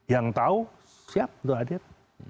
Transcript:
yang tahu siap untuk hadir